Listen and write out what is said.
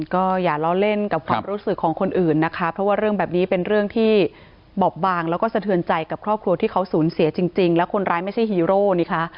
ก็อย่าล้อเล่นกับความรู้สึกของคนอื่นนะคะเพราะว่าเรื่องแบบนี้เป็นเรื่องที่บอบบางแล้วก็สะเทือนใจกับครอบครัวที่เขาสูญเสียจริงแล้วคนร้ายไม่ใช่ฮีโร่นี่คะ